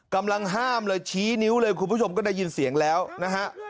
กำลังห้ามเลยชี้นิ้วเลยคุณผู้ชมก็ได้ยินเสียงแล้วนะฮะ